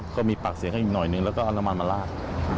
ก็มีปากเสียงกันอีกหน่อยนึงแล้วก็เอาน้ำมันมาลาด